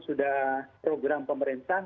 sudah program pemerintah